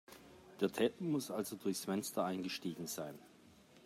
Der Täter muss also durchs Fenster eingestiegen sein.